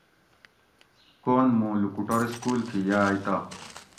کون مُوں لوکوٹور سکول تھی یاۤئے تہ